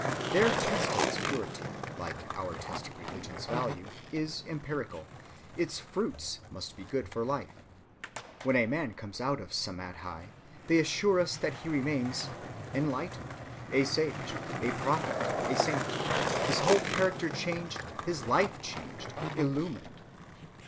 Their test of its purity, like our test of religion's value, is empirical: its fruits must be good for life. When a man comes out of Samâdhi, they assure us that he remains "enlightened, a sage, a prophet, a saint, his whole character changed, his life changed, illumined."